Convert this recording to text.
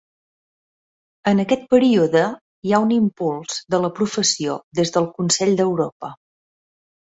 En aquest període hi ha un impuls de la professió des del Consell d'Europa.